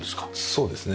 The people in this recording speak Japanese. そうですね。